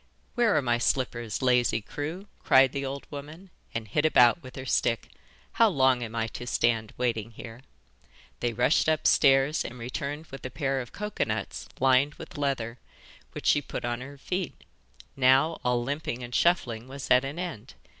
'Where are my slippers, lazy crew?' cried the old woman, and hit about with her stick. 'How long am I to stand waiting here?' They rushed upstairs again and returned with a pair of cocoa nuts lined with leather, which she put on her feet. Now all limping and shuffling was at an end.